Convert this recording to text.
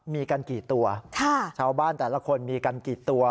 มีกันกี่ตัวชาวบ้านแต่ละคนมีกันกี่ตัว